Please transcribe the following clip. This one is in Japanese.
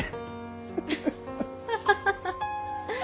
アハハハハ！